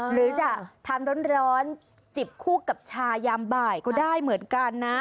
หรือจะทานร้อนจิบคู่กับชายามบ่ายก็ได้เหมือนกันนะ